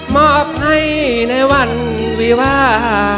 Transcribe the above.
มอบให้ในวันวิวา